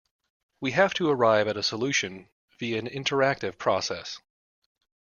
We have to arrive at a solution via an interactive process.